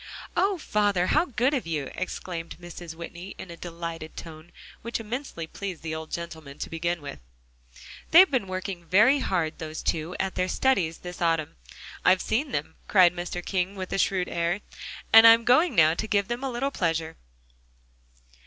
"Oh, father! how good of you!" exclaimed Mrs. Whitney in a delighted tone, which immensely pleased the old gentleman, to begin with. "They've been working very hard, those two, at their studies this autumn. I've seen them," cried Mr. King with a shrewd air, "and I'm going now to give them a little pleasure."